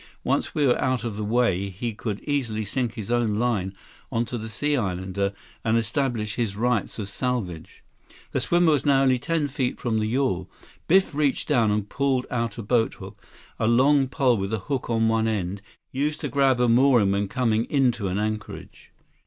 Once we were out of the way, he could easily sink his own line onto the Sea Islander and establish his rights of salvage." The swimmer was now only ten feet from the yawl. Biff reached down and pulled out a boathook, a long pole with a hook on one end, used to grab a mooring when coming into an anchorage.